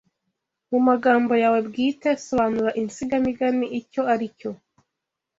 Mu magambo yawe bwite sobanura insigamigani icyo ari cyo